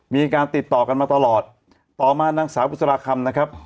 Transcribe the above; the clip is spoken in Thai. มีการติดต่อกันมาตลอดต่อมานางสาวบุษราคำนะครับ